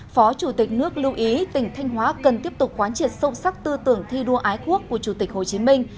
phó chủ tịch nước lưu ý tỉnh thanh hóa cần tiếp tục quán triệt sâu sắc tư tưởng thi đua ái quốc của chủ tịch hồ chí minh